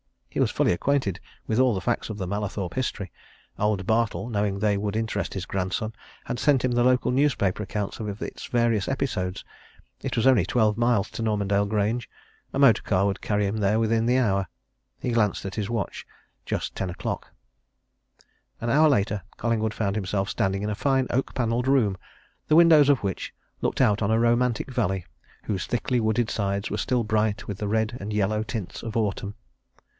He was fully acquainted with all the facts of the Mallathorpe history; old Bartle, knowing they would interest his grandson, had sent him the local newspaper accounts of its various episodes. It was only twelve miles to Normandale Grange a motor car would carry him there within the hour. He glanced at his watch just ten o 'clock. An hour later, Collingwood found himself standing in a fine oak panelled room, the windows of which looked out on a romantic valley whose thickly wooded sides were still bright with the red and yellow tints of autumn.